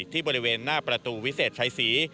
ที่บริเวณหน้าประตูวิเศษชัยศรี